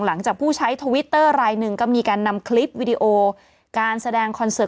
หลังจากผู้ใช้ทวิตเตอร์รายหนึ่งก็มีการนำคลิปวิดีโอการแสดงคอนเสิร์ต